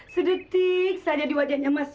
sedetik saja di wajahnya mas